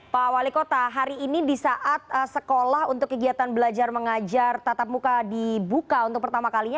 pak wali kota hari ini di saat sekolah untuk kegiatan belajar mengajar tatap muka dibuka untuk pertama kalinya